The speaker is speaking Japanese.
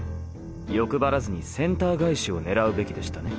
欲張らずにセンター返しを狙うべきでしたね。